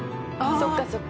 そっかそっか。